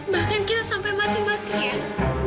bahkan kita sampai mati matian